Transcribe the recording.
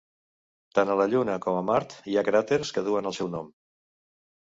Tant a la Lluna com a Mart hi ha cràters que duen el seu nom.